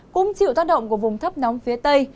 cũng chịu tác động của vùng thấp nóng phía tây